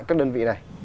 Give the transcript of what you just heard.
các đơn vị này